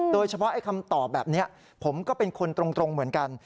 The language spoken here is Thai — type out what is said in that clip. โดยเฉพาะคำตอบแบบนี้ผมก็เป็นคนตรงเหมือนกัน